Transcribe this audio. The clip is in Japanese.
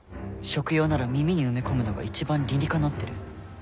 食用なら耳に埋め込むのが一番理にかなってる。